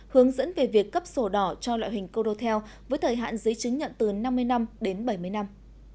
hướng dẫn về việc cấp sổ đỏ cho loại hình condotel với thời hạn giấy chứng nhận từ năm mươi năm đến bảy mươi năm